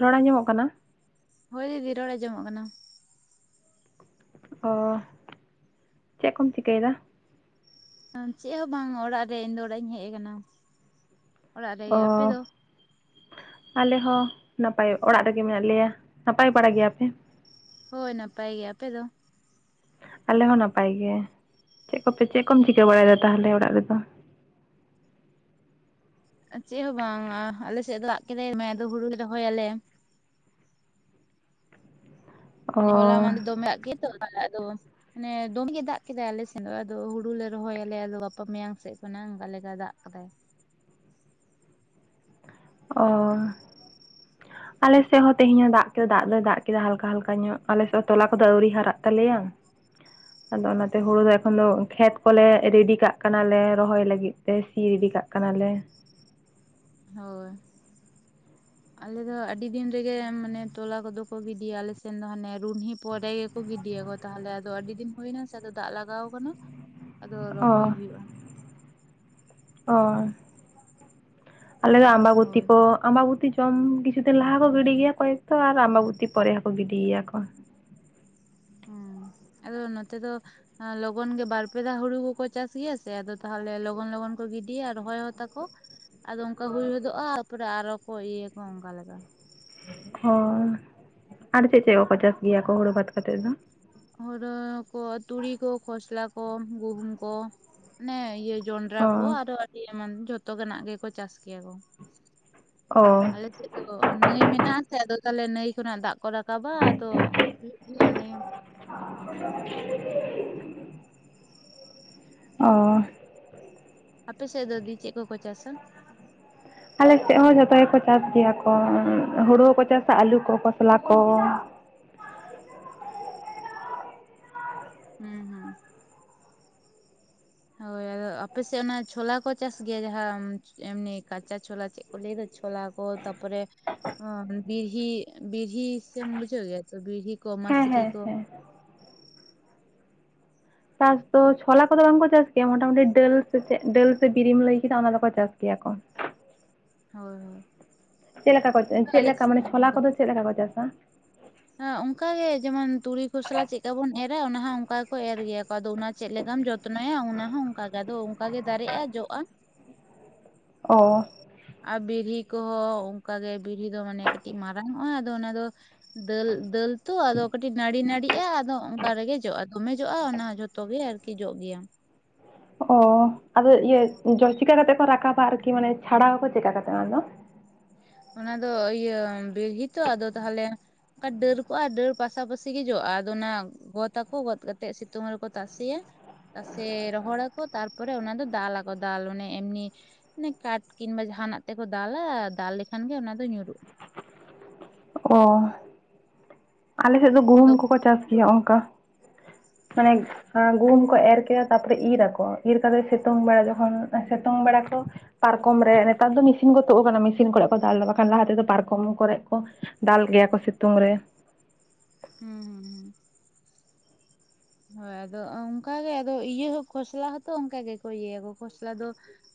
ᱨᱚᱲ ᱟᱸᱡᱚᱢᱚᱜ ᱠᱟᱱᱟ? ᱦᱳᱭ ᱫᱤᱫᱤ ᱨᱚᱲ ᱟᱸᱚᱢᱚᱜ ᱠᱟᱱᱟ᱾ ᱚ ᱪᱮᱫ ᱠᱚᱢ ᱪᱤᱠᱟᱹᱭᱮᱫᱟ? ᱪᱮᱫ ᱦᱚᱸ ᱵᱟᱝ ᱚᱲᱟᱜ ᱨᱮ ᱤᱧ ᱫᱚ ᱚᱲᱟᱜ ᱤᱧ ᱦᱮᱡ ᱠᱟᱱᱟ᱾ ᱚ᱾ ᱟᱞᱮ ᱦᱚᱸ ᱱᱟᱯᱟᱭ ᱚᱲᱟᱜ ᱨᱮᱜᱮ ᱢᱮᱱᱟᱜ ᱞᱮᱭᱟ, ᱱᱟᱯᱟᱭ ᱵᱟᱲᱟ ᱜᱮᱭᱟᱯᱮ? ᱦᱳᱭ ᱱᱟᱯᱟᱭ ᱜᱮ, ᱟᱯᱮ ᱫᱚ? ᱟᱞᱮ ᱦᱚᱸ ᱱᱟᱯᱟᱭ ᱜᱮ, ᱪᱮᱫ ᱠᱚᱯᱮ ᱪᱮᱫ ᱠᱚᱢ ᱪᱤᱠᱟᱹ ᱵᱟᱲᱟᱭᱫᱟ ᱛᱟᱦᱚᱞᱮ ᱚᱲᱟᱜ ᱨᱮᱫᱚ? ᱪᱮᱫ ᱦᱚᱸ ᱵᱟᱝᱟ ᱟᱞᱮ ᱥᱮᱫ ᱫᱟᱜ ᱠᱮᱫᱟᱭ ᱫᱚᱢᱮ ᱟᱫᱚ ᱦᱩᱲᱩ ᱨᱚᱦᱚᱭᱟᱞᱮ᱾ ᱚ ᱱᱮ ᱦᱚᱞᱟ ᱢᱫᱮ ᱫᱚᱢᱮ ᱫᱟᱜ ᱠᱮᱜ ᱫᱚ ᱛᱟᱦᱚᱞᱮ ᱟᱫᱚ ᱢᱟᱱᱮ ᱫᱚᱢᱮ ᱜᱮ ᱫᱟᱜ ᱠᱮᱫᱟᱭ ᱟᱞᱮ ᱥᱮᱱ ᱫᱚ ᱟᱫᱚ ᱦᱩᱬᱩ ᱞᱮ ᱨᱚᱦᱚᱭᱟᱞᱮ ᱟᱫᱚ ᱜᱟᱯᱟ ᱢᱮᱭᱟᱝ ᱥᱮᱡ ᱠᱷᱚᱱᱟᱜ ᱚᱱᱠᱟ ᱞᱮᱠᱟ ᱫᱟᱜ ᱠᱟᱫᱟᱭ᱾ ᱚ᱾ ᱟᱞᱮᱥᱮᱜ ᱦᱚᱸ ᱛᱮᱦᱮᱧ ᱦᱚᱸ ᱫᱟᱜ ᱠᱮᱫᱟ ᱫᱟᱜ ᱞᱮ ᱫᱟᱜ ᱠᱮᱫᱟ ᱦᱟᱞᱠᱟ ᱦᱟᱞᱠᱟ ᱧᱚᱜ ᱟᱞᱮᱥᱮᱫ ᱛᱚᱞᱟ ᱠᱚᱫᱚ ᱟᱣᱨᱤ ᱦᱟᱨᱟᱜ ᱛᱟᱞᱮᱭᱟ᱾ [inaudible] ᱟᱫᱚ ᱚᱱᱟᱛᱮ ᱦᱩᱬᱩ ᱫᱚ ᱮᱠᱷᱚᱱ ᱫᱚ ᱠᱷᱮᱛ ᱠᱚᱞᱮ ᱨᱮᱰᱤ ᱠᱟᱜ ᱠᱟᱱᱟᱞᱮ ᱨᱚᱦᱚᱭ ᱞᱟᱹᱜᱤᱫ ᱛᱮ ᱥᱤ ᱨᱮᱰᱤ ᱠᱟᱜ ᱠᱟᱱᱟᱞᱮ᱾ ᱦᱳᱭ᱾ [inaudible] ᱟᱞᱮ ᱫᱚ ᱟᱹᱰᱤ ᱫᱤᱱ ᱨᱮᱜᱮ ᱢᱟᱱᱮ ᱛᱚᱞᱟ ᱠᱚᱫᱚ ᱠᱚ ᱜᱤᱰᱤᱭᱟ ᱟᱞᱮᱥᱱ ᱫᱚ ᱦᱟᱸᱱᱮ ᱨᱩᱱᱦᱤ ᱯᱚᱨᱮ ᱠᱚ ᱜᱤᱰᱤᱭᱟᱠᱚ ᱛᱟᱦᱚᱞᱮ ᱟᱫᱚ ᱟᱹᱰᱤ ᱫᱤᱱ ᱦᱩᱭᱮᱱᱟ ᱥᱮ ᱟᱫᱚ ᱫᱟᱜ ᱞᱟᱜᱟᱣ ᱠᱟᱱᱟ᱾ [inaudible] ᱟᱫᱚ ᱚ ᱨᱚᱦᱚᱭ ᱦᱩᱭᱩᱜᱼᱟ᱾ ᱚ ᱟᱞᱮ ᱫᱚ ᱟᱢᱵᱟᱵᱚᱛᱤ ᱦᱳᱭ ᱠᱚ ᱟᱢᱵᱟᱵᱩᱛᱤ ᱡᱚᱢ ᱠᱤᱪᱷᱩ ᱫᱤᱱ ᱞᱟᱦᱟ ᱠᱚ ᱜᱤᱰᱤ ᱜᱤᱭᱟ ᱠᱚᱭᱮᱠ ᱛᱚ ᱟᱨ ᱟᱢᱵᱟᱵᱩᱛᱤ ᱯᱚᱨᱮ ᱦᱚᱸᱠᱚ ᱜᱤᱰᱤ ᱜᱮᱭᱟ ᱠᱚ᱾ ᱦᱩᱸ ᱟᱫᱚ ᱱᱚᱛᱮ ᱫᱚ ᱞᱚᱜᱚᱱ ᱜᱮ ᱵᱟᱨ ᱯᱮ ᱫᱷᱟ ᱦᱩᱬᱩ ᱠᱚᱠᱚ ᱪᱟᱥ ᱜᱮᱭᱟ ᱥᱮ ᱟᱫᱚ ᱛᱟᱦᱞᱮ ᱞᱚᱜᱚᱱ ᱞᱚᱜᱚᱱ ᱠᱚ ᱜᱤᱰᱤᱭᱟ ᱟᱨ ᱦᱚᱸ ᱛᱟᱠᱚ ᱟᱫᱚ ᱚᱝᱠᱟ ᱦᱩᱭ ᱦᱚᱫᱚᱜᱼᱟ ᱛᱟᱯᱚᱨᱮ ᱟᱨᱚ ᱠᱚ ᱤᱭᱟᱹᱭᱟᱠᱚ ᱚᱱᱠᱟ ᱞᱮᱠᱟ᱾ ᱦᱚᱭ ᱟᱨ ᱪᱮᱫ ᱪᱮᱫ ᱠᱚᱠᱚ ᱪᱟᱥ ᱜᱮᱭᱟ ᱠᱚ ᱦᱩᱬᱩ ᱵᱟᱫ ᱠᱟᱛᱮᱫ ᱫᱚ? ᱦᱩᱨᱳ ᱠᱚ ᱛᱩᱲᱤ ᱠᱚ ᱠᱷᱚᱥᱞᱟ ᱠᱚ ᱜᱩᱦᱩᱢ ᱠᱚ ᱢᱟᱱᱮ ᱤᱭᱟᱹ ᱡᱚᱸᱱ ᱨᱟ ᱚ ᱠᱚ ᱟᱨᱚ ᱟᱹᱰᱤ ᱮᱢᱟᱱ ᱡᱷᱚᱛᱚ ᱜᱟᱱᱟᱜ ᱜᱮᱠᱚ ᱪᱟᱥ ᱜᱮᱭᱟ ᱠᱚ᱾ ᱚ᱾ ᱟᱞᱮ ᱥᱮᱫ ᱫᱚ ᱱᱟᱹᱭ ᱢᱮᱱᱟᱜ ᱟᱥᱮ ᱟᱫᱚ ᱛᱟᱦᱞᱮ ᱱᱟᱹᱭ ᱠᱷᱚᱱᱟᱜ ᱫᱟᱜ ᱠᱚ ᱨᱟᱠᱟᱵᱟ ᱟᱫᱚ ᱦᱩᱭᱩᱜ ᱜᱮᱭᱟ ᱚᱸᱰᱮ ᱜᱮ [inaudible] ᱚᱸ᱾ ᱟᱯᱮ ᱥᱮᱫ ᱫᱚ ᱫᱤ ᱪᱮᱫ ᱠᱚᱠᱚ ᱪᱟᱥᱟ? ᱟᱞᱮᱥᱮᱫ ᱦᱚᱸ ᱡᱚᱛᱚ ᱜᱮᱠᱚ ᱪᱟᱥ ᱜᱮᱭᱟ ᱠᱚ᱾ ᱦᱩᱲᱩ ᱦᱚᱸᱠᱚ ᱪᱟᱥᱟ, ᱟᱹᱞᱩ ᱠᱚ, ᱠᱷᱚᱥᱞᱟ ᱠᱚ ᱦᱩᱸ, ᱦᱩᱸ᱾ ᱦᱳᱭ, ᱟᱫᱚ ᱟᱯᱮᱥᱮᱫ ᱚᱱᱟ ᱪᱷᱳᱞᱟ ᱠᱚ ᱪᱟᱥ ᱜᱮᱭᱟ᱾ ᱡᱟᱦᱟᱸ ᱮᱢᱱᱤ ᱠᱟᱸᱪᱟ ᱪᱷᱳᱞᱟ ᱪᱮᱫ ᱠᱚ ᱞᱟᱹᱭ ᱠᱚ ᱪᱷᱚᱞᱟ ᱠᱚ ᱛᱟᱨᱯᱚᱨᱮ ᱚ ᱵᱤᱲᱦᱤ ᱵᱤᱲᱦᱤ ᱥᱮᱢ ᱵᱩᱡᱷᱟᱹᱣ ᱜᱮᱭᱟ, ᱵᱤᱲᱦᱤ ᱠᱚ, ᱦᱮᱸ ᱢᱟᱥᱨᱤ ᱦᱮᱸ ᱠᱚ, ᱦᱮᱸ ᱪᱟᱥ ᱫᱚ ᱪᱷᱚᱞᱟ ᱠᱚᱫᱚ ᱵᱟᱝ ᱠᱚ ᱪᱟᱥ ᱜᱮᱭᱟ᱾ ᱢᱚᱴᱟ-ᱢᱩᱴᱤ ᱰᱟᱹᱞ ᱥᱮ ᱪᱮᱫ ᱰᱟᱹᱞ ᱥᱮ ᱵᱮᱨᱮᱢ ᱞᱟᱹᱭ ᱠᱮᱫᱟ? ᱚᱱᱟ ᱫᱚᱠᱚ ᱪᱟᱥ ᱜᱮᱭᱟ ᱠᱚ᱾ ᱦᱳᱭ, ᱦᱳᱭ᱾ ᱪᱮᱫ ᱞᱮᱠᱟ ᱠᱚ, ᱪᱮᱫ ᱟᱞᱮ ᱞᱮᱠᱟ? ᱥᱮᱫ ᱢᱟᱱᱮ ᱪᱷᱚᱞᱟ ᱠᱚᱫᱚ ᱪᱮᱫ ᱞᱮᱠᱟ ᱠᱚ ᱪᱟᱥᱟ? ᱮ ᱚᱱᱠᱟ ᱜᱮ ᱡᱮᱢᱚᱱ ᱛᱩᱲᱤ ᱠᱷᱚᱥᱞᱟ ᱪᱮᱫᱠᱟ ᱵᱚᱱ ᱮᱨᱟ? ᱚᱱᱟ ᱦᱚᱸ ᱚᱱᱠᱟ ᱜᱮᱠᱚ ᱮᱨ ᱜᱮᱭᱟ ᱠᱚ? ᱟᱫᱚ ᱚᱱᱟ ᱪᱮᱫ ᱞᱮᱠᱟᱢ ᱡᱚᱛᱱᱚ ᱛᱚᱱᱚᱭᱟ᱾ ᱚᱱᱟ ᱦᱚᱸ ᱚᱱᱠᱟ ᱜᱮ ᱟᱫᱚ ᱚᱱᱠᱟ ᱜᱮ ᱫᱟᱨᱮᱜᱼᱟ, ᱡᱚᱜᱼᱟ ᱚᱻ᱾ ᱟᱨ ᱵᱤᱨᱲᱤ ᱠᱚᱦᱚᱸ ᱚᱱᱠᱟ ᱜᱮ ᱵᱤᱨᱲᱤ ᱫᱚ ᱢᱟᱱᱮ ᱠᱟᱹᱴᱤᱡ ᱢᱟᱨᱟᱝ ᱚᱜᱼᱟ, ᱟᱫᱚ ᱚᱱᱟ ᱫᱚ ᱫᱟᱹᱞ ᱫᱟᱹᱞ ᱛᱚ, ᱟᱫᱚ ᱠᱟᱹᱴᱤᱡ ᱱᱟᱹᱲᱤ ᱱᱟᱹᱲᱤᱜᱼᱟ᱾ ᱟᱫᱚ ᱚᱱᱠᱟ ᱨᱮᱜᱮ ᱡᱚᱜᱼᱟ, ᱫᱚᱢᱮ ᱡᱚᱜᱼᱟ, ᱚᱱᱟ ᱡᱚᱛᱚ ᱛᱚᱵᱮ ᱟᱨᱠᱤ ᱡᱚᱜ ᱜᱮᱭᱟ᱾ ᱚ ᱟᱫᱚ ᱤᱭᱟᱹ ᱡᱚ ᱪᱤᱠᱟ ᱠᱟᱛᱮ ᱠᱚ ᱨᱟᱠᱟᱵᱟ, ᱟᱨᱠᱤ ᱢᱟᱱᱮ ᱪᱷᱟᱲᱟᱣ ᱟᱠᱚ ᱪᱮᱠᱟ ᱠᱟᱛᱮ ᱚᱱᱟ ᱫᱚ? ᱚᱱᱟ ᱫᱚ ᱤᱭᱟᱹ ᱵᱮᱲᱦᱤ ᱛᱚ ᱟᱫᱚ ᱛᱟᱦᱞᱮ ᱚᱱᱠᱟ ᱰᱟᱹᱨ ᱠᱚᱜᱼᱟ᱾ ᱰᱟᱹᱨ ᱯᱟᱥᱟᱯᱟᱹᱥᱤ ᱜᱮ ᱡᱚᱜᱼᱟ᱾ ᱟᱫᱚ ᱚᱱᱟ ᱜᱚᱫ ᱟᱠᱚ, ᱜᱚᱫᱽ ᱠᱟᱛᱮᱜ ᱥᱤᱛᱩᱝ ᱨᱮᱠᱚ ᱛᱟᱥᱮᱭᱟ᱾ ᱛᱟᱥᱮ ᱨᱚᱦᱚᱲ ᱟᱠᱚ ᱛᱟᱨᱯᱚᱨᱮ ᱚᱱᱟ ᱫᱚ ᱫᱟᱞ ᱫᱟᱞ ᱚᱱᱮ ᱮᱢᱱᱤ ᱚᱱᱮ ᱠᱟᱴ ᱠᱤᱢᱵᱟ ᱡᱟᱦᱟᱸᱱᱟᱜ ᱛᱮᱠᱚ ᱫᱟᱞᱟ ᱫᱟᱞ ᱞᱮᱠᱷᱟᱱ ᱜᱮ ᱚᱱᱟ ᱫᱚ ᱧᱩᱨᱩᱜᱼᱟ᱾ ᱚᱻ᱾ ᱟᱞᱮᱥᱮᱫ ᱫᱚ ᱜᱩᱦᱩᱢ ᱟᱫᱚ ᱠᱚᱠᱚ ᱪᱟᱥ ᱜᱮᱭᱟ ᱚᱱᱠᱟ ᱜᱩᱦᱩᱢ ᱠᱚ ᱮᱨ ᱠᱮᱫᱟ᱾ ᱛᱟᱨᱯᱚᱨᱮ ᱤᱨ ᱟᱠᱚ ᱤᱨ ᱠᱟᱛᱮᱫ ᱥᱤᱛᱩᱝ ᱵᱮᱲᱟ ᱡᱚᱠᱷᱚᱱ ᱥᱤᱛᱩᱝ ᱵᱮᱲᱟ ᱠᱚ ᱯᱟᱨᱠᱚᱢ ᱨᱮ ᱱᱮᱛᱟᱨ ᱫᱚ ᱢᱮᱥᱤᱱ ᱠᱚ ᱛᱩᱫ ᱟᱠᱟᱱᱟ᱾ ᱢᱮᱥᱤᱱ ᱠᱚᱨᱮ ᱠᱚ ᱫᱟᱞ ᱞᱮᱫᱟ, ᱵᱟᱠᱷᱟᱱ ᱞᱟᱦᱟ ᱛᱮᱫᱚ ᱯᱟᱨᱠᱚᱢ ᱠᱚᱨᱮ ᱠᱚ ᱫᱟᱞ ᱜᱮᱭᱟ ᱠᱚ ᱥᱤᱛᱩᱝ ᱨᱮ᱾ ᱦᱩᱸ ᱦᱩᱸ ᱦᱩᱸ᱾ ᱦᱳᱭ ᱟᱫᱚ ᱚᱝᱠᱟᱜ ᱜᱮ ᱟᱫᱚ ᱤᱭᱟᱹ ᱦᱚᱸ ᱠᱷᱚᱥᱞᱟ ᱦᱚᱛᱚ ᱚᱱᱠᱟ ᱜᱮᱠᱚ ᱤᱭᱟᱹᱭᱟᱠᱚ, ᱠᱷᱚᱥᱞᱟ ᱫᱚ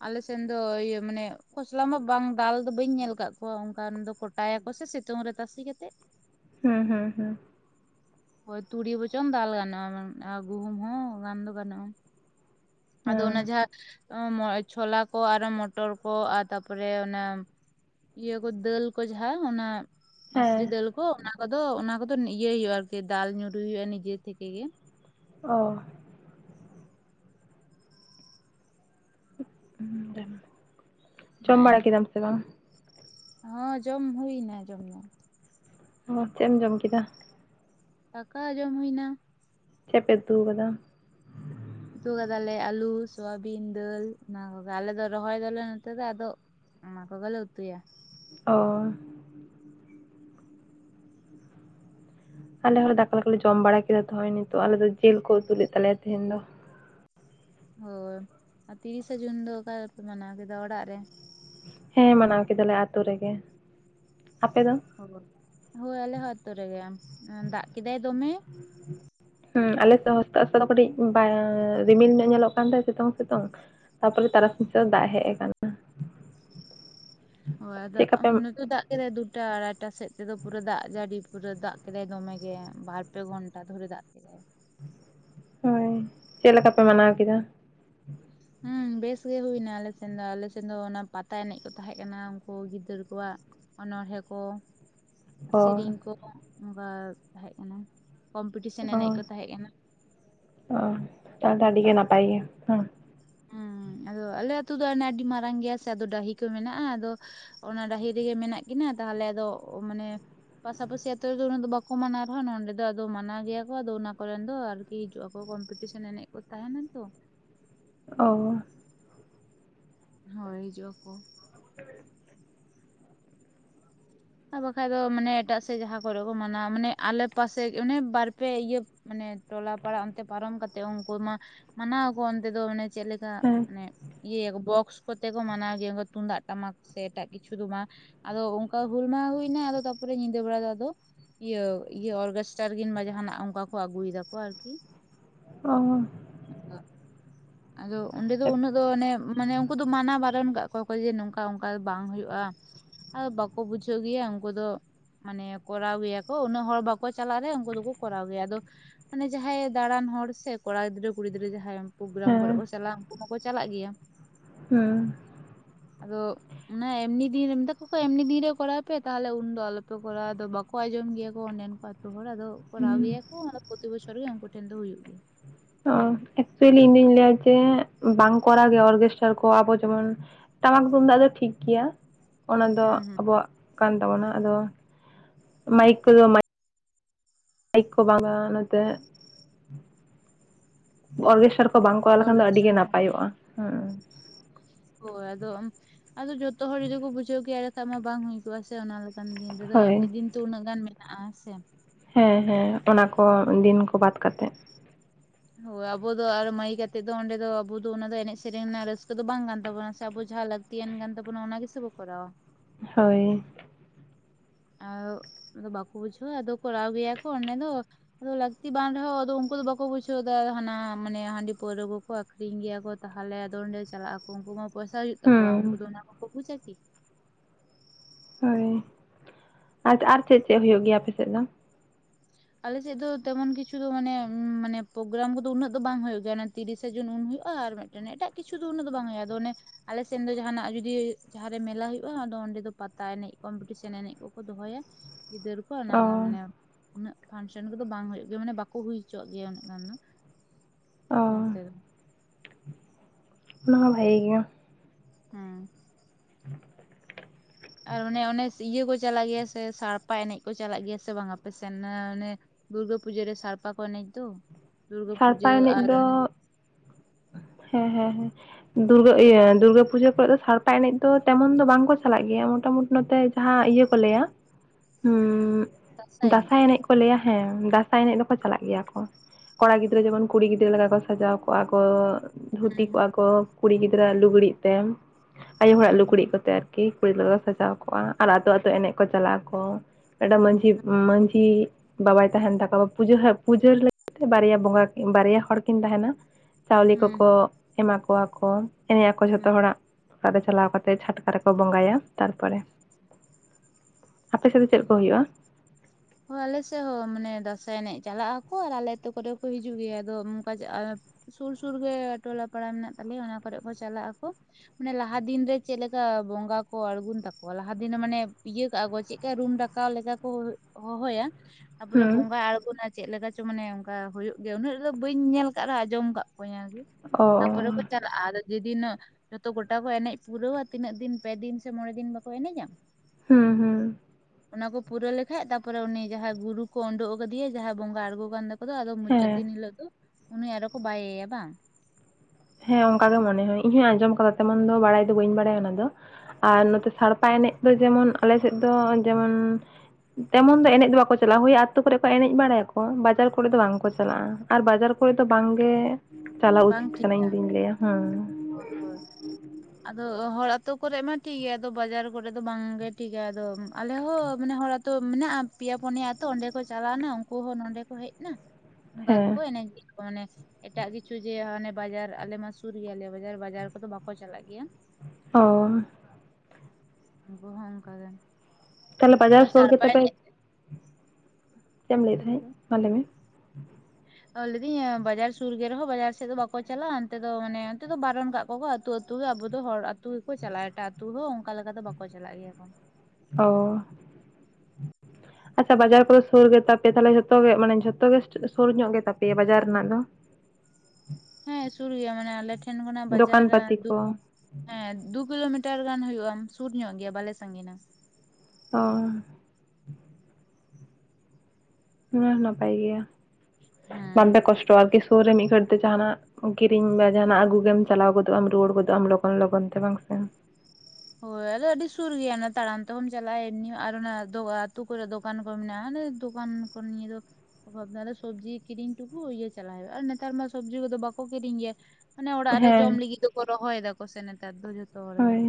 ᱟᱞᱮᱥᱮᱱ ᱫᱚ ᱤᱭᱟᱹ ᱢᱟᱱᱮ ᱠᱷᱚᱥᱞᱟ ᱢᱟ ᱵᱟᱝ ᱫᱟᱞ ᱫᱚ ᱵᱟᱹᱧ ᱧᱮᱞ ᱠᱟᱜ ᱠᱚᱣᱟ ᱚᱱᱠᱟᱱ ᱫᱚ ᱠᱟᱭᱟ ᱠᱚ ᱥᱮ ᱥᱤᱛᱩᱝ ᱨᱮ ᱛᱟᱥᱤ ᱠᱟᱛᱮᱫ ᱦᱩᱸ ᱦᱩᱸ ᱦᱩᱸ᱾ ᱦᱳᱭ ᱛᱩᱲᱤ ᱵᱚᱪᱚᱝ ᱫᱟᱞ ᱜᱟᱱᱚᱜᱼᱟ ᱟᱨ ᱜᱩᱦᱩᱢ ᱦᱚᱸ ᱜᱟᱱ ᱫᱚ ᱜᱟᱱᱚᱜᱼᱟ᱾ ᱟᱫᱚ ᱚᱱᱟ ᱦᱮᱸ ᱡᱟᱦᱟᱸ ᱢᱚ ᱪᱷᱳᱞᱟ ᱠᱚ ᱟᱨ ᱢᱚᱴᱚᱨ ᱠᱚ ᱛᱟᱨᱯᱚᱨᱮ ᱚᱱᱟ ᱤᱭᱟᱹ ᱠᱚ ᱫᱟᱹᱞ ᱠᱚ ᱡᱟᱦᱟᱸ ᱚᱱᱟ ᱢᱟᱥᱨᱤ ᱦᱮᱸ ᱫᱟᱹᱞ ᱠᱚ ᱚᱱᱟ ᱠᱚᱫᱚ ᱚᱱᱟ ᱠᱚᱫᱚ ᱤᱭᱟᱹ ᱦᱩᱭᱩᱜᱼᱟ ᱟᱨᱠᱤ ᱫᱟᱞ ᱧᱩᱨᱦᱩᱭ ᱦᱩᱭᱩᱜᱼᱟ ᱱᱤᱡᱮ ᱛᱷᱮᱠᱮ ᱜᱮ᱾ ᱚ᱾ ᱦᱩᱸ ᱞᱮᱭᱢᱮ ᱡᱚᱢ ᱦᱮᱸ ᱵᱟᱲᱟ ᱠᱮᱫᱟᱢ ᱥᱮ ᱵᱟᱝ? ᱦᱚᱸ ᱡᱚᱢ ᱦᱩᱭᱱᱟ ᱡᱚᱢ ᱫᱚ᱾ ᱚ ᱪᱮᱫ ᱮᱢ ᱡᱚᱢ ᱠᱮᱫᱟ? ᱫᱟᱠᱟ ᱡᱚᱢ ᱦᱩᱭᱱᱟ᱾ ᱪᱮᱫᱯᱮ ᱩᱛᱩ ᱠᱟᱫᱟ? ᱩᱛᱩ ᱠᱟᱫᱟᱞᱮ ᱟᱹᱞᱩ ᱥᱚᱣᱟᱵᱤᱱ ᱫᱟᱹᱞ ᱚᱱᱟ ᱠᱚᱜᱮ ᱟᱞᱮ ᱫᱚ ᱨᱚᱦᱚᱭ ᱫᱚᱞᱮ ᱱᱚᱛᱮ ᱫᱚ ᱟᱫᱚ ᱚᱱᱟ ᱠᱚ ᱜᱮᱞᱮ ᱩᱛᱩᱭᱟ᱾ ᱚ᱾ ᱟᱞᱮ ᱦᱚᱲ ᱫᱟᱠᱟ ᱠᱚᱞᱮ, ᱡᱚᱢ ᱵᱟᱲᱟ ᱠᱮᱫᱟ ᱛᱚ, ᱱᱤᱛᱚᱜ ᱟᱞᱮ ᱫᱚ, ᱡᱤᱞ ᱠᱚ, ᱩᱛᱩ ᱞᱮᱫ ᱛᱟᱞᱮᱭᱟ, ᱛᱮᱦᱮᱧ ᱫᱚ ᱦᱳᱭ, ᱟᱨ ᱛᱤᱨᱤᱥᱟ ᱡᱩᱱ ᱫᱚ, ᱚᱠᱟ ᱨᱮᱯᱮ ᱢᱟᱱᱟᱣ ᱠᱮᱫᱟ? ᱚᱲᱟᱜ ᱨᱮ ᱾ ᱦᱮᱸ, ᱢᱟᱱᱟᱣ ᱠᱮᱫᱟ ᱞᱮ, ᱟᱛᱳ ᱨᱮᱜᱮ ᱾ ᱟᱯᱮ ᱫᱚ? [unintelligible] ᱦᱳᱭ, ᱟᱞᱮ ᱦᱚᱸ, ᱟᱛᱳ ᱨᱮᱜᱮ ᱾ ᱫᱟᱜ ᱠᱮᱫᱟᱭ ᱫᱚᱢᱮ ᱾ ᱦᱮᱸᱻ, ᱟᱞᱮ ᱥᱮᱫ ᱦᱚᱭ ᱛᱚ, [unintelligible] ᱫᱚ ᱠᱟᱹᱴᱤᱡ ᱨᱤᱢᱤᱞ ᱧᱚᱜ ᱧᱮᱞᱚᱜ ᱠᱟᱱ ᱛᱟᱦᱮ, ᱥᱤᱛᱩᱝ ᱥᱤᱛᱩᱝ ᱛᱟᱯᱚᱨᱮ, ᱛᱟᱨᱟᱥᱤᱧ ᱥᱮᱫ ᱫᱟᱜ ᱦᱮᱡ ᱟᱠᱟᱱᱟ ᱾ ᱦᱳᱭ ᱟᱫᱚ, ᱪᱮᱫᱠᱟ ᱯᱮ ᱟᱢ ᱵᱩᱨᱩ ᱫᱟᱜ [unintelligible] ᱠᱮᱫᱟᱭ, ᱫᱩᱴᱟ, ᱟᱲᱟᱭᱴᱟ ᱥᱮᱫ ᱛᱮᱫᱚ, ᱯᱩᱨᱟᱹ ᱫᱟᱜ ᱡᱟᱹᱲᱤ, ᱯᱩᱨᱟᱹ ᱫᱟᱜ ᱠᱮᱫᱟᱭ ᱫᱚᱢᱮ ᱾ ᱵᱟᱨ ᱯᱮ ᱜᱷᱚᱱᱴᱟ ᱫᱷᱚᱨᱮ, ᱫᱟᱜ ᱠᱮᱫ ᱠᱮᱫ [unintelligible] ᱦᱳᱭ! ᱪᱮᱫ ᱞᱮᱠᱟ ᱯᱮ, ᱢᱟᱱᱟᱣ ᱠᱮᱫᱟ? ᱦᱩᱸᱻ, ᱵᱮᱥ ᱜᱮ ᱦᱩᱭ ᱮᱱᱟ, ᱟᱞᱮ ᱥᱮᱫ ᱫᱚ, ᱟᱞᱮ ᱥᱮᱫ ᱫᱚ, ᱚᱱᱟ ᱯᱟᱛᱟ ᱮᱱᱮᱡ ᱠᱚ, ᱛᱟᱦᱮᱸ ᱠᱟᱱᱟ, ᱩᱱᱠᱩ ᱜᱤᱫᱽᱨᱟᱹ ᱠᱚᱣᱟᱜ ᱚᱱᱚᱬᱦᱮ ᱠᱚ ᱚ ᱥᱮᱨᱮᱧ ᱠᱚ, [inaudible] ᱚᱱᱠᱟ ᱛᱟᱦᱮᱸ ᱠᱟᱱᱟ, ᱠᱚᱢᱯᱤᱴᱤᱥᱮᱱ ᱮᱱᱮᱡ ᱠᱚ, ᱛᱟᱦᱮᱸ ᱠᱟᱱᱟ ᱾ ᱚᱻ [unintelligible] ᱟᱸᱵᱤ ᱜᱮ ᱱᱟᱯᱟᱭ ᱜᱮ, ᱦᱮᱸᱻ ᱾ ᱮᱸᱻᱝ, ᱟᱫᱚ, ᱟᱞᱮ ᱟᱹᱛᱩ ᱫᱚ, ᱚᱱᱮ ᱟᱹᱰᱤ ᱢᱟᱨᱟᱝ ᱜᱮᱭᱟ ᱥᱮ, ᱟᱫᱚ ᱰᱟᱹᱦᱤ ᱠᱚ, ᱢᱮᱱᱟᱜᱼᱟ ᱾ ᱟᱫᱚ ᱚᱱᱟ, ᱰᱟᱹᱦᱤ ᱨᱮᱜᱮ, ᱢᱮᱱᱟᱜ ᱠᱤᱱᱟᱹ᱾ ᱛᱟᱦᱚᱞᱮ ᱟᱫᱚ, ᱢᱟᱱᱮ ᱯᱟᱥᱟ ᱯᱟᱥᱤ ᱟᱛᱳ ᱨᱮ ᱫᱚ, ᱵᱟᱠᱚ ᱢᱟᱱᱟᱣ ᱨᱮᱦᱚᱸ, ᱱᱚᱰᱮ ᱫᱚ, ᱟᱫᱚ ᱢᱟᱱᱟᱣ ᱜᱮᱭᱟ ᱠᱚ, ᱟᱫᱚ ᱚᱱᱟ ᱠᱚᱨᱮᱱ ᱫᱚ ᱦᱤᱡᱩᱜᱼᱟ ᱟᱠᱚ, ᱠᱚᱢᱯᱤᱴᱤᱥᱮᱱ ᱮᱱᱮᱡ ᱠᱚ, ᱛᱟᱦᱮᱱᱟ ᱛᱚ ᱾ ᱚᱻ ᱾ ᱦᱳᱭ, ᱦᱤᱡᱩᱜ ᱟᱠᱚ ᱟᱨ ᱵᱟᱠᱷᱟᱡ ᱫᱚ, ᱢᱟᱱᱮ ᱮᱴᱟᱜ ᱥᱮᱫ ᱡᱟᱦᱟᱸ ᱠᱚᱨᱮ ᱠᱚ, ᱢᱟᱱᱟᱣ, ᱢᱟᱱᱮ ᱟᱞᱮ ᱯᱟᱥᱮ, ᱚᱱᱮ ᱵᱟᱨᱯᱮ ᱤᱭᱟᱹ ᱢᱟᱱᱮ, ᱴᱚᱞᱟ ᱯᱟᱲᱟ ᱚᱱᱛᱮ ᱯᱟᱨᱚᱢ ᱠᱟᱛᱮᱜ, ᱩᱱᱠᱩ ᱢᱟ, ᱢᱟᱱᱟᱣᱟᱚ ᱚᱱᱛᱮ ᱫᱚ, ᱢᱟᱱᱮ ᱪᱮᱫ ᱞᱮᱠᱟ? ᱦᱮᱸ ᱚᱱᱮ ᱤᱭᱟᱹ, ᱵᱚᱠᱥ ᱠᱚᱛᱮ ᱠᱚ, ᱢᱟᱱᱟᱣ ᱜᱮ, ᱛᱩᱢᱫᱟᱜ ᱴᱟᱢᱟᱠ ᱥᱮ, ᱮᱴᱟᱜ ᱠᱤᱪᱷᱩ ᱫᱚ ᱵᱟᱝ, ᱟᱫᱚ ᱚᱱᱠᱟ ᱦᱩᱞ ᱢᱟᱦᱟ ᱦᱩᱭᱮᱱᱟ, ᱟᱫᱚ, ᱛᱟᱯᱚᱨᱮ ᱧᱤᱫᱟᱹ ᱵᱮᱲᱟ ᱫᱚ, ᱟᱫᱚ ᱤᱭᱟᱹ ᱤᱭᱟᱹ ᱚᱨᱜᱮᱥᱴᱨᱟ ᱨᱮ ᱠᱤᱱᱵᱟ ᱡᱟᱦᱟᱸᱱᱟᱜ ᱚᱱᱠᱟ ᱠᱚ, ᱟᱹᱜᱩᱭᱮᱫᱟ ᱠᱚ ᱟᱨᱠᱤ ᱚᱻ ᱾ [unintelligible] ᱟ ᱟᱫᱚ, ᱚᱸᱰᱮ ᱫᱚ, ᱦᱮᱸ ᱩᱱᱟᱹᱜ ᱫᱚ, ᱚᱱᱮ ᱢᱟᱱᱮ ᱩᱱᱠᱩ ᱫᱚ ᱢᱟᱱᱟ ᱵᱟᱨᱚᱱ ᱟᱠᱟᱜ ᱠᱚᱣᱟ ᱠᱚ, ᱡᱮ ᱱᱚᱝᱠᱟ ᱚᱱᱠᱟ ᱵᱟᱝ ᱦᱩᱭᱩᱜᱼᱟ, ᱟᱫᱚ ᱵᱟᱠᱚ ᱵᱩᱡᱷᱟᱹᱣ ᱜᱮᱭᱟ, ᱩᱱᱠᱩ ᱫᱚ ᱢᱟᱱᱮ ᱠᱚᱨᱟᱣ ᱜᱮᱭᱟ ᱠᱚ, ᱩᱱᱟᱹᱜ ᱦᱚᱲ ᱵᱟᱠᱚ ᱪᱟᱞᱟᱜ ᱨᱮ, ᱩᱱᱠᱩ ᱫᱚᱠᱚ, ᱠᱚᱨᱟᱣ ᱜᱮᱭᱟ, ᱟᱫᱚ ᱚᱱᱮ ᱡᱟᱦᱟᱸᱭ ᱫᱟᱬᱟᱱ ᱦᱚᱲ ᱥᱮ, ᱠᱚᱲᱟ ᱜᱤᱫᱽᱨᱟᱹ ᱠᱩᱲᱤ ᱜᱤᱫᱽᱨᱟᱹ ᱡᱟᱦᱟᱸᱭ ᱯᱨᱳᱜᱨᱟᱢ ᱠᱚᱨᱮ ᱦᱮᱸ ᱠᱚ, ᱪᱟᱞᱟᱜᱼᱟ, ᱩᱱᱠᱩ ᱢᱟᱠᱚ, ᱪᱟᱞᱟᱜ ᱜᱮᱭᱟ ᱾ ᱦᱮᱸᱻ ᱾ ᱟᱫᱚ, ᱚᱱᱟ ᱮᱢᱱᱤ ᱫᱤᱱ, ᱢᱮᱛᱟ ᱠᱚ, ᱮᱢᱱᱤ ᱫᱤᱱ ᱠᱚᱨᱟᱣ ᱯᱮ, ᱛᱟᱦᱚᱞᱮ ᱩᱱᱫᱚ, ᱟᱞᱚᱯᱮ ᱠᱚᱨᱟᱣᱟ ᱾ ᱟᱫᱚ, ᱵᱟᱠᱚ ᱟᱸᱡᱚᱢ ᱜᱮᱭᱟ, ᱠᱚ ᱚᱸᱰᱮᱱ ᱠᱚ, ᱟᱻᱟᱹᱛᱩ ᱦᱚᱲ ᱟᱫᱚ, ᱠᱚᱨᱟᱣ ᱦᱩᱸ ᱜᱮᱭᱟ ᱠᱚ ᱯᱨᱚᱛᱤ ᱵᱚᱪᱷᱚᱨ ᱜᱮ, ᱩᱱᱠᱩ ᱴᱷᱮᱱ ᱫᱚ, ᱦᱩᱭᱩᱜ ᱜᱮᱭᱟ ᱾ ᱚᱻ ᱮᱠᱪᱩᱭᱮᱞᱤ ᱤᱧ ᱫᱩᱧ ᱞᱟᱹᱭᱟ, ᱡᱮ ᱵᱟᱝ ᱠᱚᱨᱟᱣ ᱜᱮ, ᱚᱨᱜᱮᱥᱴᱟᱨ ᱠᱚ, ᱟᱵᱚ ᱡᱮᱢᱚᱱ ᱴᱟᱢᱟᱠ ᱛᱩᱢᱫᱟᱜ ᱫᱚ, ᱴᱷᱤᱠ ᱜᱮᱭᱟ ᱾ ᱚᱱᱟ ᱫᱚ, ᱦᱩᱸ ᱦᱩᱸ ᱟᱵᱚᱣᱟᱜ ᱠᱟᱱ ᱛᱟᱵᱚᱱᱟ, ᱟᱫᱚ ᱢᱟᱭᱤᱠ ᱠᱚᱫᱚ ᱢᱟᱭᱤᱠ ᱠᱚ, ᱵᱟᱝᱟ ᱾ ᱚᱱᱟ ᱚᱛᱮ ᱚᱨᱜᱮᱥᱟᱨ ᱵᱟᱝ ᱠᱚ ᱚᱞ ᱟᱠᱟᱱ ᱫᱚ, ᱟᱹᱰᱤ ᱜᱮ ᱚᱨᱜᱮᱥᱴᱟᱨ ᱱᱟᱯᱟᱭᱚᱜᱼᱟ, ᱦᱚᱸᱻ ᱾ ᱦᱳᱭ, ᱟᱫᱚ ᱟᱢ, ᱟᱫᱚ, ᱡᱚᱛᱚ ᱦᱚᱲ ᱡᱩᱫᱤ, ᱠᱚ ᱵᱩᱡᱷᱟᱹᱣ ᱠᱮᱭᱟ, ᱤᱱᱟᱠᱷᱟᱱ ᱢᱟ, ᱵᱟᱝ ᱦᱩᱭ ᱦᱚᱭ ᱥᱮ, ᱚᱱᱟ ᱞᱮᱠᱟᱱ ᱫᱤᱱ ᱨᱮᱫᱚ, ᱦᱳᱭ ᱮᱢᱱᱤ ᱫᱤᱱ ᱛᱮ, ᱩᱱᱟᱹᱜ ᱜᱟᱱ ᱢᱮᱱᱟᱜᱼᱟ ᱾ ᱥᱮ ᱦᱮᱸᱻᱦᱮᱸᱻ ᱚᱱᱟ ᱠᱚ ᱫᱤᱱ ᱠᱚ, ᱵᱟᱫᱽ ᱠᱟᱛᱮᱫ ᱦᱚᱭ ᱟᱵᱚ ᱫᱚ ᱟᱨ ᱢᱟᱭᱤᱠ ᱟᱛᱮᱜ ᱫᱚ ᱚᱸᱰᱮ ᱫᱚ ᱟᱵᱚ ᱫᱚ ᱚᱱᱟ ᱫᱚ ᱮᱱᱮᱡ ᱥᱮᱨᱮᱧ ᱨᱮᱱᱟᱜ ᱨᱟᱹᱥᱠᱟᱹ ᱫᱚ ᱵᱟᱝ ᱠᱟᱱ ᱛᱟᱵᱚᱱᱟ ᱥᱮ ᱟᱵᱚ ᱡᱟᱦᱟᱸ ᱞᱟᱹᱠ ᱛᱤᱭᱟᱱ ᱠᱟᱱ ᱛᱟᱵᱚᱱᱟ ᱚᱱᱟ ᱜᱮᱥᱮ ᱵᱚ ᱠᱚᱨᱟᱣᱟ ᱾ ᱦᱚᱭ ᱾ ᱟᱨ ᱚᱱᱟ ᱫᱚ ᱵᱟᱠᱚ ᱵᱩᱡᱷᱟᱹᱣᱟ ᱟᱫᱚ ᱠᱚᱨᱟᱣ ᱜᱮᱭᱟ ᱠᱚ ᱚᱸᱰᱮ ᱫᱚ ᱟᱫᱚ ᱞᱟᱹᱠᱛᱤ ᱵᱟᱝ ᱨᱮᱦᱚᱸ ᱩᱱᱠᱩ ᱫᱚ ᱵᱟᱠᱚ ᱵᱩᱡᱷᱟᱹᱣ ᱫᱟ ᱦᱟᱱᱟ ᱢᱟᱱᱮ ᱦᱟᱺᱰᱤ ᱯᱟᱹᱣᱨᱟᱹ ᱠᱚᱠᱚ ᱟᱹᱠᱷ ᱨᱤᱧ ᱜᱮᱭᱟ ᱠᱚ ᱛᱟᱦᱚᱞᱮ ᱟᱫᱚ ᱚᱸᱰᱮ ᱪᱟᱞᱟᱜ ᱟᱠᱚ ᱩᱱᱠᱩ ᱢᱟ ᱯᱚᱭᱥᱟ ᱦᱩᱭᱩᱜ ᱛᱟᱠᱚᱣᱟ ᱩᱱᱠᱩ ᱦᱩᱸ ᱫᱚ ᱚᱱᱟ ᱠᱚᱠᱚ ᱵᱩᱡᱟ ᱠᱤ? ᱦᱚᱭ ᱟᱨ ᱟᱨ ᱪᱮᱫ ᱪᱮᱫ ᱦᱩᱭᱩᱜ ᱜᱮᱭᱟ ᱟᱯᱮ ᱥᱮᱫ ᱫᱚ? ᱟᱞᱮᱥᱮᱫ ᱫᱚ ᱛᱮᱢᱚᱱ ᱠᱤᱪᱷᱩ ᱫᱚ ᱢᱟᱱᱮ ᱢᱟᱱᱮ ᱯᱨᱳᱜᱨᱟᱢ ᱠᱚᱫᱚ ᱩᱱᱟᱹᱜ ᱫᱚ ᱵᱟᱝ ᱦᱩᱭᱩᱜ ᱜᱮᱭᱟ ᱾ ᱛᱤᱨᱤᱥᱮ ᱡᱩᱱ ᱩᱱ ᱦᱩᱭᱩᱜᱼᱟ ᱟᱨ ᱢᱤᱫᱴᱮᱱ ᱮᱴᱟᱜ ᱠᱤᱪᱷᱩ ᱩᱱᱟᱹᱜ ᱫᱚ ᱵᱟᱝ ᱦᱩᱭᱩᱜᱼᱟ ᱟᱫᱚ ᱚᱱᱮ ᱟᱞᱮ ᱥᱮᱱ ᱫᱚ ᱡᱟᱦᱟᱱᱟᱜ ᱡᱩᱫᱤ ᱡᱟᱦᱟᱸᱨᱮ ᱢᱮᱞᱟ ᱦᱩᱭᱩᱜᱼᱟ ᱾ ᱟᱫᱚ ᱚᱸᱰᱮ ᱫᱚ ᱯᱟᱛᱟ ᱮᱱᱮᱡ ᱠᱚᱢᱯᱤᱴᱤᱥᱮᱱ ᱮᱱᱮᱡ ᱠᱚ ᱠᱚ ᱫᱚᱦᱚᱭᱟ ᱜᱤᱫᱟᱹᱨ ᱠᱚ ᱚ ᱚᱱᱟᱜᱮ ᱢᱟᱱᱮ ᱩᱱᱟᱹᱜ ᱯᱷᱟᱱᱥᱮᱱ ᱠᱚᱫᱚ ᱵᱟᱝ ᱦᱩᱭᱩᱜ ᱜᱮᱭᱟ ᱢᱟᱱᱮ ᱵᱟᱠᱚ ᱦᱩᱭ ᱦᱚᱪᱚᱣᱟᱜ ᱜᱮᱭᱟ ᱩᱱᱟᱹᱜ ᱜᱟᱱ ᱫᱚ ᱾ ᱚ ᱱᱚᱱᱛᱮ ᱫᱚ ᱾ ᱚᱱᱟ ᱢᱟ ᱵᱷᱟᱹᱜᱤ ᱜᱮᱭᱟ ᱾ ᱦᱮᱸᱻ ᱟᱨ ᱚᱱᱮ ᱚᱱᱮ ᱤᱭᱟᱹ ᱠᱚ ᱪᱟᱞᱟᱜ ᱜᱮᱭᱟ ᱥᱮ ᱥᱟᱲᱯᱟ ᱮᱱᱮᱡ ᱠᱚ ᱪᱟᱞᱟᱜ ᱜᱮᱭᱟ ᱥᱮ ᱵᱟᱝᱟ ᱟᱯᱮ ᱥᱮᱱ ᱚᱱᱮ ᱫᱩᱨᱜᱟᱹ ᱯᱩᱡᱟᱹ ᱨᱮ ᱥᱟᱨᱯᱟ ᱮᱱᱮᱡ ᱫᱚ ᱾ ᱥᱟᱲᱯᱟ ᱮᱱᱮᱡ ᱫᱚ ᱦᱮᱸ ᱦᱮᱸ ᱦᱮᱸ ᱫᱩᱨᱜᱟᱹ ᱤᱭᱟᱹ ᱫᱩᱨᱜᱟᱹ ᱯᱩᱡᱟᱹ ᱠᱚᱨᱮ ᱫᱚ ᱥᱟᱲᱯᱟ ᱮᱱᱮᱡ ᱫᱚ ᱛᱮᱢᱚᱱ ᱫᱚ ᱵᱟᱝ ᱠᱚ ᱪᱟᱞᱟᱜ ᱜᱮᱭᱟ ᱢᱚᱴᱟᱢᱩᱴᱤ ᱱᱚᱛᱮ ᱡᱟᱦᱟᱸ ᱤᱭᱟᱹ ᱠᱚ ᱞᱟᱹᱭᱟ ᱩᱸᱻ ᱫᱟᱸᱥᱟᱭ ᱮᱱᱮᱡ ᱠᱚ ᱞᱟᱹᱭᱟ ᱦᱮᱸ ᱫᱟᱸᱥᱟᱭ ᱮᱱᱮᱡ ᱫᱚᱠᱚ ᱪᱟᱞᱟᱜ ᱜᱮᱭᱟ ᱠᱚ ᱾ ᱠᱚᱲᱟ ᱜᱤᱫᱽᱨᱟᱹ ᱡᱮᱢᱚᱱ ᱠᱩᱲᱤ ᱜᱤᱫᱽᱨᱟᱹ ᱞᱮᱠᱟ ᱠᱚ ᱥᱟᱡᱟᱣ ᱠᱚᱜᱼᱟ ᱠᱚ ᱦᱩᱸ ᱫᱷᱩᱛᱤ ᱠᱚᱜᱼᱟ ᱦᱩᱸ ᱠᱚ ᱠᱩᱲᱤ ᱜᱤᱫᱽᱨᱟᱹ ᱟᱜ ᱞᱩᱜᱽᱲᱤᱡ ᱛᱮ ᱟᱭᱳ ᱦᱚᱲᱟᱜ ᱦᱩᱸ ᱦᱩᱸ ᱞᱩᱜᱽᱲᱤᱡ ᱠᱚᱛᱮ ᱾ ᱠᱤ ᱠᱩᱲᱤ ᱞᱮ ᱠᱚ ᱥᱟᱡᱟᱣ ᱠᱚᱜᱼᱟ ᱟᱨ ᱟᱹᱛᱳ ᱟᱹᱛᱳ ᱮᱱᱮᱡ ᱠᱚ ᱪᱟᱞᱟᱜ ᱟᱠᱚ ᱾ ᱢᱤᱫᱴᱟᱝ ᱢᱟᱺᱡᱷᱤ ᱢᱟᱺᱡᱷᱤ ᱵᱟᱵᱟᱭ ᱛᱟᱦᱮᱱ ᱛᱟᱠᱚᱣᱟ ᱯᱩᱡᱟᱹ ᱯᱩᱡᱟᱹ ᱦᱤ ᱵᱟᱨᱭᱟ ᱵᱚᱸᱜᱟ ᱠᱤᱱ ᱵᱟᱨᱭᱟ ᱦᱚᱲ ᱠᱤᱱ ᱛᱟᱦᱮᱱᱟ ᱪᱟᱣᱞᱮ ᱠᱚᱠᱚ ᱦᱩᱸ ᱮᱢᱟ ᱠᱚᱣᱟ ᱠᱚ ᱮᱱᱮᱡ ᱟᱠᱚ ᱦᱩᱸ ᱡᱷᱚᱛᱚ ᱦᱚᱲᱟᱜ ᱚᱲᱟᱜ ᱨᱮ ᱪᱟᱞᱟᱣ ᱠᱟᱛᱮ ᱪᱷᱟᱴᱠᱟ ᱨᱮᱠᱚ ᱵᱚᱸᱜᱟᱭᱟ ᱛᱟᱨᱯᱚᱨᱮ ᱾ ᱠᱚ ᱚᱸᱻ ᱦᱩᱭᱩᱜᱼᱟ [inaudible] ᱦᱚᱭ ᱟᱞᱮᱥᱮᱜ ᱦᱚᱸ ᱢᱟᱱᱮ ᱫᱟᱸᱥᱟᱭ ᱮᱱᱮᱡ ᱪᱟᱞᱟᱜ ᱟᱠᱚ ᱟᱨ ᱟᱞᱮ ᱟᱹᱛᱩ ᱠᱚᱨᱮ ᱦᱚᱸ ᱠᱚ ᱦᱤᱡᱩᱜ ᱜᱮᱭᱟ ᱟᱫᱚ ᱚᱱᱠᱟ ᱥᱩᱨ ᱥᱩᱨ ᱜᱮ ᱴᱚᱞᱟ ᱯᱟᱲᱟ ᱢᱮᱱᱟᱜ ᱛᱟᱞᱮᱭᱟ ᱚᱱᱟ ᱠᱚᱨᱮ ᱠᱚ ᱪᱟᱞᱟᱜ ᱟᱠᱚ ᱾ ᱢᱟᱱᱮ ᱞᱟᱦᱟ ᱫᱤᱱ ᱨᱮ ᱪᱮᱫ ᱞᱮᱠᱟ ᱵᱚᱸᱜᱟ ᱠᱚ ᱟᱬᱜᱩᱱ ᱛᱟᱠᱚᱣᱟ ᱞᱟᱦᱟ ᱫᱤᱱ ᱢᱟᱱᱮ ᱤᱭᱟᱹ ᱠᱟᱜᱼᱟ ᱠᱚ ᱪᱮᱫ ᱨᱩᱢ ᱰᱟᱠᱟᱣ ᱞᱮᱠᱟ ᱠᱚ ᱦᱚᱦᱚᱭᱟ ᱛᱟᱯᱚᱨᱮ ᱦᱩᱸ ᱵᱚᱸᱜᱟ ᱟᱬᱜᱚᱱᱟᱭ ᱪᱮᱜ ᱞᱮᱠᱟ ᱪᱚ ᱢᱟᱱᱮ ᱚᱱᱠᱟ ᱦᱩᱭᱩᱜ ᱜᱮᱭᱟ ᱩᱱᱟᱹᱜ ᱨᱮᱫᱚ ᱵᱟᱹᱧ ᱧᱮᱞ ᱟᱠᱟᱜ ᱨᱮᱦᱚᱸ ᱟᱸᱡᱚᱢ ᱠᱟᱜ ᱠᱚᱣᱟᱹᱧ ᱟᱨᱠᱤ ᱚ ᱾ ᱛᱟᱯᱚᱨᱮ ᱠᱚ ᱪᱟ ᱞᱟᱜᱼᱟ ᱟᱫᱚ ᱡᱮᱫᱤᱱ ᱡᱷᱚᱛᱚ ᱜᱚᱴᱟ ᱠᱚ ᱮᱱᱮᱡ ᱯᱩᱨᱟᱹᱣᱟ ᱛᱤᱱᱟᱹᱜ ᱫᱤᱱ ᱯᱮ ᱫᱤᱱ ᱥᱮ ᱢᱚᱬᱮ ᱫᱤᱱ ᱵᱟᱠᱚ ᱮᱱᱮᱡᱼᱟ? ᱦᱩᱸ ᱦᱩᱸᱻ ᱚᱱᱟ ᱠᱚ ᱯᱩᱨᱟᱹ ᱞᱮᱠᱷᱟᱡ ᱛᱟᱯᱚᱨᱮ ᱩᱱᱤ ᱡᱟᱦᱟᱸᱭ ᱜᱩᱨᱩ ᱠᱚ ᱳᱸᱰᱳᱜ ᱟᱠᱟᱫᱮᱭᱟ ᱡᱟᱦᱟᱸᱭ ᱵᱚᱸᱜᱟᱭ ᱟᱬᱜᱚ ᱠᱟᱱ ᱛᱟᱠᱚ ᱠᱚᱫᱚ ᱟᱫᱚ ᱢᱩᱪᱟᱹᱫ ᱦᱮᱸ ᱫᱤᱱ ᱦᱤᱞᱚᱜ ᱫᱚ ᱩᱱᱤ ᱟᱨᱦᱚᱸ ᱠᱚ ᱵᱟᱭᱮᱭᱟ ᱵᱟᱝ? ᱦᱮᱸ ᱚᱝᱠᱟ ᱜᱮ ᱢᱚᱱᱮ ᱦᱚᱭ ᱤᱧ ᱦᱚᱸᱧ ᱟᱸᱡᱚᱢ ᱠᱟᱫᱟ ᱛᱮᱢᱚᱱ ᱫᱚ ᱵᱟᱲᱟᱭ ᱫᱚ ᱵᱟᱹᱧ ᱵᱟᱲᱟᱭᱟ ᱚᱱᱟ ᱫᱚ ᱾ ᱟᱨ ᱱᱚᱛᱮ ᱥᱟᱲᱯᱟ ᱮᱱᱮᱡ ᱫᱚ ᱡᱮᱢᱚᱱ ᱟᱞᱮ ᱥᱮᱫ ᱫᱚ ᱡᱮᱢᱚᱱ ᱛᱮᱢᱚᱱ ᱫᱚ ᱮᱱᱮᱡ ᱫᱚ ᱵᱟᱠᱚ ᱪᱟᱞᱟᱜᱼᱟ ᱦᱚᱭ ᱟᱹᱛᱩ ᱠᱚᱨᱮ ᱠᱚ ᱮᱱᱮᱡ ᱵᱟᱲᱟᱭᱟᱠᱚ ᱵᱟᱡᱟᱨ ᱠᱚᱨᱮ ᱫᱚ ᱵᱟᱝ ᱠᱚ ᱪᱟᱞᱟᱜᱼᱟ ᱾ ᱟᱨ ᱵᱟᱡᱟᱨ ᱠᱚᱨᱮ ᱫᱚ ᱵᱟᱝ ᱜᱮ ᱪᱟᱞᱟᱣ ᱩᱪᱤᱛ ᱠᱟᱱᱟ ᱤᱧ ᱫᱩᱧ ᱞᱟᱹᱭᱟ ᱦᱩᱸᱻ ᱦᱚᱭ ᱦᱚᱭ ᱾ ᱟᱫᱚ ᱦᱚᱲ ᱟᱹᱛᱳ ᱠᱚᱨᱮ ᱢᱟ ᱴᱷᱤᱠ ᱜᱮᱭᱟ ᱟᱫᱚ ᱵᱟᱡᱟᱨ ᱠᱚᱨᱮ ᱫᱚ ᱵᱟᱝᱜᱮ ᱴᱷᱤᱠᱟ ᱟᱫᱚ ᱟᱞᱮᱦᱚᱸ ᱢᱟᱱᱮ ᱦᱚᱲ ᱟᱹᱛ ᱛᱚ ᱢᱮᱱᱟᱜᱼᱟ, ᱯᱮᱭᱟ ᱯᱩᱱᱭᱟ ᱟᱛᱚ ᱚᱸᱰᱮ ᱠᱚ ᱪᱟᱞᱟᱣ ᱮᱱᱟ, ᱩᱱᱠᱩ ᱦᱚᱸ ᱱᱚᱸᱰᱮ ᱠᱚ ᱦᱮᱡ ᱮᱱᱟ ᱾ ᱚᱱᱠᱟ ᱦᱮᱸ ᱜᱮᱠᱚ ᱮᱱᱮᱡ ᱜᱮ ᱠᱚ ᱢᱟᱱᱮ ᱮᱴᱟᱜ ᱠᱤᱪᱷᱩ ᱡᱮ ᱦᱟᱱᱮ ᱵᱟᱡᱟᱨ ᱟᱞᱮ ᱢᱟ ᱥᱩᱨ ᱜᱮᱭᱟᱞᱮ ᱵᱟᱡᱟᱨ, ᱵᱟᱡᱟᱨ ᱠᱚᱫᱚ ᱵᱟᱠᱚ ᱪᱟᱞᱟᱜ ᱜᱮᱭᱟ ᱾ ᱦᱚᱸ ᱩᱱᱠᱩ ᱦᱚᱸ ᱚᱝᱠᱟᱜᱮ ᱾ ᱛᱟᱦᱚᱞᱮ ᱵᱟᱡᱟᱨ ᱥᱩᱨ ᱜᱮ ᱜᱮᱛᱮ ᱯᱮ, ᱪᱮᱫ ᱮᱢ ᱞᱟᱹᱭᱮᱫ ᱛᱟᱦᱮᱸᱫ ᱢᱟ ᱞᱟᱹᱭ ᱢᱮ ᱾ ᱚ ᱞᱟᱹᱭ ᱫᱤᱧ ᱵᱟᱡᱟᱨ ᱥᱩᱨ ᱜᱮ ᱨᱮᱦᱚᱸ, ᱵᱟᱡᱟᱨ ᱥᱮᱫ ᱫᱚ ᱵᱟᱠᱚ ᱪᱟᱞᱟᱜᱼᱟ᱾ ᱚᱱᱛᱮ ᱫᱚ ᱢᱟᱱᱮ ᱚᱱᱛᱮ ᱫᱚ ᱵᱟᱨᱚᱱ ᱠᱟᱜ ᱠᱚᱣᱟ ᱠᱚ᱾ ᱟᱹᱛᱩ ᱟᱹᱛᱩ ᱜᱮ ᱟᱵᱚ ᱫᱚ ᱦᱚᱲ ᱟᱹᱛᱩ ᱜᱮᱠᱚ ᱪᱟᱞᱟᱜᱼᱟ᱾ ᱮᱴᱟᱜ ᱟᱹᱛᱩ ᱦᱚᱸ ᱚᱝᱠᱟ ᱞᱮᱠᱟ ᱫᱚ ᱵᱟᱠᱚ ᱪᱟᱞᱟᱜ ᱜᱮᱭᱟ ᱠᱚ ᱾ ᱚ ᱟᱪᱪᱷᱟ ᱵᱟᱡᱟᱨ ᱠᱚᱫᱚ ᱥᱩᱨ ᱜᱮᱛᱟ ᱯᱮᱭᱟ ᱛᱟᱦᱚᱞᱮ ᱡᱷᱚᱛᱚ ᱜᱮ, ᱢᱟᱱᱮ ᱡᱷᱚᱛᱚ ᱜᱮ, ᱥᱩᱨ ᱧᱚᱜ ᱜᱮᱛᱟ ᱯᱮᱭᱟ ᱵᱟᱡᱟᱨ ᱨᱮᱱᱟᱜ ᱫᱚ ᱾ [inaudible] ᱦᱮᱸ ᱥᱩᱨ ᱜᱮᱭᱟ ᱢᱟᱱᱮ ᱟᱞᱮ ᱴᱷᱮᱱ ᱠᱷᱚᱱᱟᱜ ᱵᱟᱡᱟᱨ ᱫᱚᱠᱟᱱ ᱯᱟᱹᱛᱤ ᱫᱩ ᱠᱚ ᱦᱮᱸ ᱫᱩ ᱠᱤᱞᱳᱢᱤᱴᱟᱨ ᱜᱟᱱ ᱦᱩᱭᱩᱜᱼᱟ᱾ ᱥᱩᱨ ᱧᱚᱜ ᱜᱮᱭᱟ ᱵᱟᱞᱮ ᱥᱟᱺᱜᱤᱱᱟ ᱾ ᱚ ᱚᱱᱟ ᱦᱚᱸ ᱱᱟᱯᱟᱭ ᱜᱮᱭᱟ᱾ ᱵᱟᱝ ᱦᱮᱸ ᱯᱮ ᱠᱚᱥᱴᱚᱜᱼᱟ, ᱟᱨᱠᱤ ᱥᱩᱨ ᱨᱮ ᱢᱤᱫ ᱜᱷᱟᱹᱲᱤᱡ ᱛᱮ ᱡᱟᱦᱟᱱᱟᱜ ᱠᱤᱨᱤᱧ ᱵᱟ ᱡᱟᱦᱟᱱᱟᱜ ᱟᱹᱜᱩ ᱜᱮᱢ ᱪᱟᱞᱟᱣ ᱜᱚᱫᱚᱜᱼᱟᱢ, ᱨᱩᱣᱟᱹᱲ ᱜᱚᱫᱚᱜᱼᱟᱢ ᱞᱚᱜᱚᱱ ᱞᱚᱜᱚᱱ ᱛᱮ ᱵᱟᱝ ᱥᱮ ᱾ ᱦᱳᱭ ᱟᱞᱮ ᱟᱹᱰᱤ ᱥᱩᱨ ᱜᱮᱭᱟ, ᱛᱟᱲᱟᱢ ᱛᱮᱦᱚᱢ ᱪᱟᱞᱟᱜᱼᱟ, ᱮᱢᱱᱤ ᱦᱚᱸ ᱟᱨ ᱚᱱᱟ ᱫᱚ ᱟᱹᱛᱩ ᱠᱚᱨᱮ ᱫᱚ ᱾ ᱫᱚᱠᱟᱱ ᱠᱚ ᱢᱮᱱᱟᱜ-ᱟ᱾ ᱫᱚᱠᱟᱱ ᱠᱚ ᱱᱤᱭᱮ ᱫᱚ ᱚᱵᱷᱟᱵᱫᱟ ᱨᱮ ᱥᱚᱵᱽᱡᱤ ᱠᱤᱨᱤᱧ ᱴᱩᱠᱩ ᱤᱭᱟᱹ ᱪᱟᱞᱟᱜ ᱦᱩᱭᱩᱜᱼᱟ᱾ ᱟᱨ ᱱᱮᱛᱟᱨ ᱢᱟ ᱥᱚᱵᱽᱡᱤ ᱠᱚᱫᱚ ᱵᱟᱠᱚ ᱠᱤᱨᱤᱧ ᱜᱮᱭᱟ ᱾ ᱢᱟᱱᱮ ᱚᱲᱟᱜ ᱨᱮ ᱦᱮᱸ ᱡᱚᱢ ᱞᱟᱹᱜᱤᱫ ᱫᱚᱠᱚ ᱨᱚᱦᱚᱭ ᱫᱟ ᱠᱚ ᱥᱮ ᱱᱮᱛᱟᱨ ᱫᱚ ᱡᱷᱚᱛᱚ ᱦᱚᱲ ᱜᱮ ᱦᱳᱭ ᱾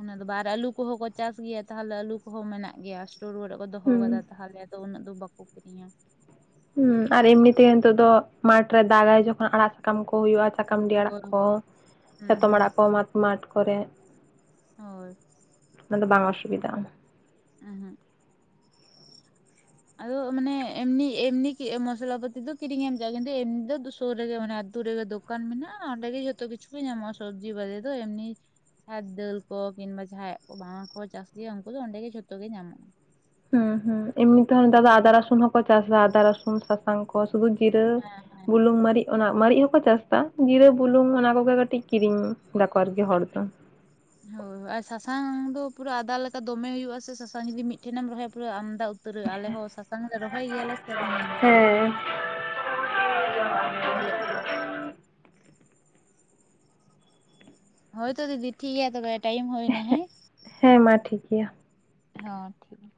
ᱚᱱᱟ ᱫᱚ ᱵᱟᱨ ᱟᱞᱩ ᱠᱚᱦᱚᱸ ᱠᱚ ᱪᱟᱥ ᱜᱮᱭᱟ ᱛᱟᱦᱚᱞᱮ, ᱟᱞᱩ ᱠᱚᱦᱚᱸ ᱢᱮᱱᱟᱜ ᱜᱮᱭᱟ ᱥᱴᱳᱨ ᱚᱨᱮ ᱠᱚ ᱫᱚᱦᱚ ᱦᱩᱸ ᱟᱠᱟᱫᱟ ᱛᱟᱦᱚᱞᱮ ᱛᱚ ᱩᱱᱟᱹᱜ ᱫᱚ ᱵᱟᱠᱚ ᱠᱤᱨᱤᱧᱟ ᱾ ᱦᱩᱸ ᱟᱨ ᱮᱢᱱᱤ ᱛᱮᱜᱮ ᱱᱤᱛᱚᱜ ᱫᱚ ᱢᱟᱴᱷ ᱨᱮ ᱫᱟᱜᱟᱭ ᱡᱚᱠᱷᱚᱱ ᱟᱲᱟᱜ ᱥᱟᱠᱟᱢ ᱠᱚ ᱦᱩᱭᱩᱜᱼᱟ ᱾ ᱥᱟᱠᱟᱢᱰᱤ ᱟᱲᱟᱜ ᱦᱳᱭ ᱠᱚ, ᱦᱳᱭ ᱦᱩᱸ ᱪᱟᱛᱚᱢ ᱦᱩᱸ ᱟᱲᱟᱜ ᱠᱚ ᱢᱟᱴ ᱢᱟᱴᱷ ᱠᱚᱨᱮ ᱦᱳᱭ ᱾ ᱚᱱᱟ ᱫᱚ ᱵᱟᱝ ᱚᱥᱩᱵᱤᱫᱷᱟᱼᱟ ᱾ [unintelligible] ᱟᱫᱚ ᱢᱟᱱᱮ ᱮᱢᱱᱤ, ᱮᱢᱱᱤ ᱢᱚᱥᱞᱟ ᱯᱟᱹᱛᱤ ᱫᱚ ᱠᱤᱨᱤᱧ ᱮᱢᱱᱤ ᱫᱚ ᱫᱩᱥᱳ ᱨᱮᱜᱮ ᱢᱟᱱᱮ ᱟᱹᱛᱩ ᱨᱮᱜ ᱫᱚᱠᱟᱱ ᱢᱮᱱᱟᱜᱼᱟ᱾ ᱚᱸᱰᱮ ᱜᱮ ᱡᱚᱛᱚ ᱠᱤᱪᱷᱩ ᱧᱟᱢᱚᱜᱼᱟ ᱥᱚᱵᱽᱡᱤ ᱵᱟᱡᱮ ᱫᱚ ᱮᱢᱱᱤ ᱟᱨ ᱫᱟᱹᱞ ᱠᱚ ᱠᱤᱱᱵᱟ ᱡᱟᱦᱟᱸᱭᱟᱜ ᱠᱚ ᱵᱟᱝ ᱠᱚ ᱪᱟᱥ ᱩᱱᱠᱩ ᱫᱚ ᱚᱸᱰᱮ ᱜᱮ ᱡᱷᱚᱛᱚ ᱜᱮ ᱧᱟᱢᱚᱜᱼᱟ ᱾ ᱦᱩᱸ ᱦᱩᱸ ᱮᱢᱱᱤ ᱛᱮᱦᱚᱸ ᱱᱮᱛᱟᱨ ᱫᱚ ᱟᱫᱟ ᱨᱚᱥᱩᱱ ᱦᱚᱠᱚ ᱪᱟᱥᱼᱟ ᱟᱫᱟ ᱨᱚᱥᱩᱱ ᱥᱟᱥᱟᱝ ᱠᱚ ᱥᱩᱫᱩ ᱡᱤᱨᱟᱹ ᱦᱮᱸ ᱦᱮᱸ ᱵᱩᱞᱩᱝ ᱢᱟᱹᱨᱤᱪ ᱚᱱᱟ ᱢᱟᱨᱤᱪ ᱦᱚᱸᱠᱚ ᱪᱟᱥ ᱫᱟ ᱡᱤᱨᱟᱹ ᱵᱩᱞᱩᱜ ᱚᱱᱟ ᱠᱚᱜᱮ ᱠᱟᱹᱴᱤᱡ ᱠᱤᱨᱤᱧ ᱫᱟᱠᱚ ᱟᱨᱠᱤ ᱦᱚᱲ ᱫᱚ ᱾ ᱦᱳᱭ, ᱦᱳᱭ ᱟᱨ ᱥᱟᱥᱟᱝ ᱫᱚ ᱯᱩᱨᱟ ᱟᱫᱟ ᱞᱮᱠᱟ‌ ᱫᱚᱢᱮ ᱦᱩᱭᱩᱜᱼᱟ ᱥᱮ ᱥᱟᱥᱟᱝ ᱡᱚᱫᱤ ᱢᱤᱫ ᱴᱷᱮᱱ ᱮᱢ ᱨᱚᱦᱚᱭᱟ ᱟᱢᱫᱟ ᱩᱛᱟᱹᱨᱟᱹ ᱟᱞᱮ ᱦᱚᱸ ᱥᱟᱥᱟᱝ ᱞᱮ ᱨᱚᱦᱚᱭ ᱜᱮᱭᱟᱞᱮ ᱥᱮ ᱟᱫ ᱧᱮᱞ ᱠᱟᱫᱟᱧ ᱾ ᱦᱮᱸ [unintelligible] ᱦᱩᱭᱩᱜ ᱜᱮᱭᱟ ᱾ ᱦᱳᱭᱛᱳ ᱫᱤᱫᱤ ᱴᱷᱤᱠ ᱜᱮᱭᱟ, ᱛᱚᱵᱮ ᱴᱟᱭᱤᱢ ᱦᱩᱭᱱᱟ ᱦᱮᱸ ᱾ ᱦᱮᱸ ᱢᱟ ᱴᱷᱤᱠ ᱜᱮᱭᱟ ᱦᱮ ᱴᱷᱤᱠ ᱜᱮᱭᱟ ᱾